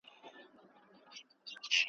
ورک یم له شهبازه ترانې را پسي مه ګوره ,